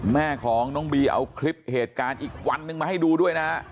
แม่ของน้องบีเอาคลิปเหตุการณ์อีกวันนึงมาให้ดูด้วยนะฮะ